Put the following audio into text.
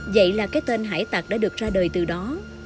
vậy là cái tên hải tạc đã được ra đời từ đó